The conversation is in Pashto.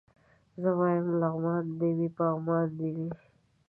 زه وايم لغمان دي وي پغمان دي وي